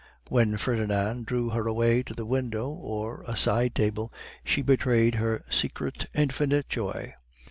When Ferdinand drew her away to the window or a side table, she betrayed her secret infinite joy.